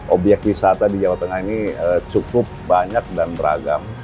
obyek wisata di jawa tengah ini cukup banyak dan beragam